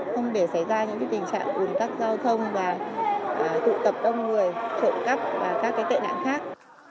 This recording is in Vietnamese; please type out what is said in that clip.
không để xảy ra những tình trạng ủn tắc giao thông và tụ tập đông người trộm cắp và các tệ nạn khác